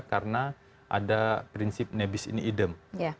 karena ada prinsip nebis in idem